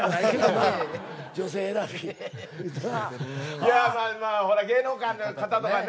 いやまあまあほら芸能界の方とかね